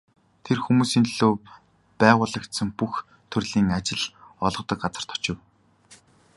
Тэр хүмүүсийн төлөө байгуулагдсан бүх төрлийн ажил олгодог газарт очив.